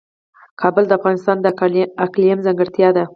کابل د افغانستان د اقلیم ځانګړتیا ده.